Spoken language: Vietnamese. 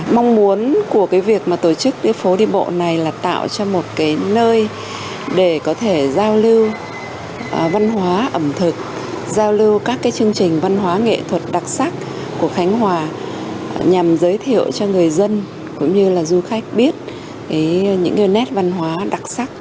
mong muốn của việc tổ chức phố đi bộ này là tạo cho một nơi để có thể giao lưu văn hóa ẩm thực giao lưu các chương trình văn hóa nghệ thuật đặc sắc của khánh hòa nhằm giới thiệu cho người dân cũng như là du khách biết những nét văn hóa đặc sắc